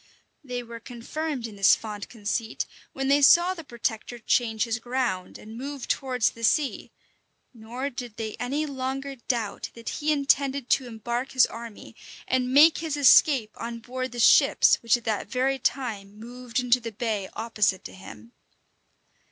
They were confirmed in this fond conceit when they saw the protector change his ground, and move towards the sea; nor did they any longer doubt that he intended to embark his army, and make his escape on board the ships which at that very time moved into the bay opposite to him.